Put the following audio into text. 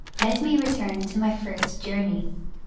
Let me return to my first journey.